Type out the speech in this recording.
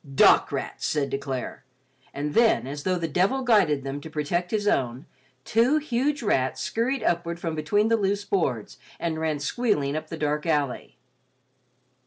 "Dock rats," said De Clare, and then as though the devil guided them to protect his own, two huge rats scurried upward from between the loose boards, and ran squealing up the dark alley.